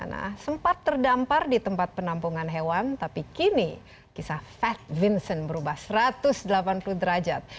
nah sempat terdampar di tempat penampungan hewan tapi kini kisah fat vincent berubah satu ratus delapan puluh derajat